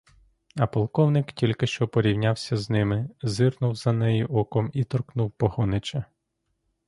А полковник, тільки що порівнявся з ними, зирнув за неї оком і торкнув погонича.